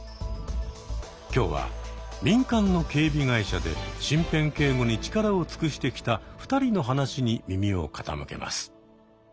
今日は民間の警備会社で身辺警護に力を尽くしてきた２人の話に耳を傾けます。